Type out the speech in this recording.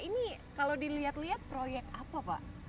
ini kalau dilihat lihat proyek apa pak